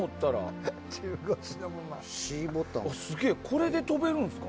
すげえこれで飛べるんですか？